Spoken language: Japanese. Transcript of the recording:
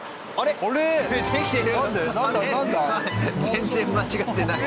全然間違ってない。